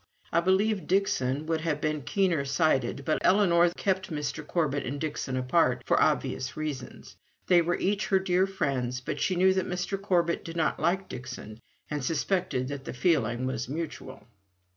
I believe Dixon would have been keener sighted, but Ellinor kept Mr. Corbet and Dixon apart for obvious reasons they were each her dear friends, but she knew that Mr. Corbet did not like Dixon, and suspected that the feeling was mutual.